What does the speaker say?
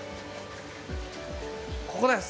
ここです。